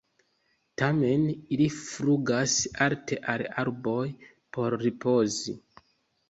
Tamen ili flugas alte al arboj por ripozi.